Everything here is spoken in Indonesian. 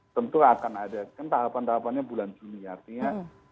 tentu akan ada kan tahapan tahapannya bulan juni artinya